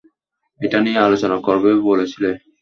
এটা নিয়ে আলোচনা করবে বলেছিলে।